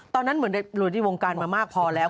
ตอนนั้นเหมือนอยู่ในวงการมามากพอแล้ว